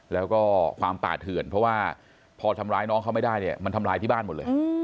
แล้วก็ความป่าเถื่อนเพราะว่าพอทำร้ายน้องเขาไม่ได้เนี่ยมันทำลายที่บ้านหมดเลย